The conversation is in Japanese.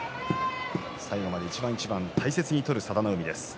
最後まで一番一番大切に取る佐田の海です。